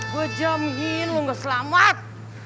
gue jamin lu gak selamat